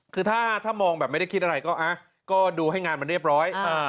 คือถ้ามองแบบไม่ได้คิดอะไรก็ดูให้งานมันเรียบร้อย